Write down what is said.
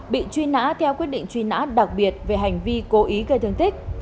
bị truy nã theo quyết định truy nã đặc biệt về hành vi cố ý gây thương tích